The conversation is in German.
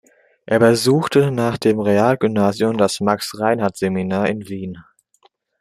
Er besuchte nach dem Realgymnasium das Max Reinhardt Seminar in Wien.